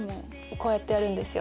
こうやってやるんですよ